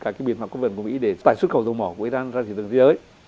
các cái biện pháp cấp vận của mỹ để tải xuất khẩu dầu mỏ của iran ra trên đường thế giới